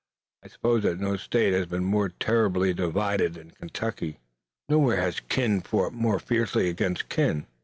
"I suppose that no state has been more terribly divided than Kentucky. Nowhere has kin fought more fiercely against kin."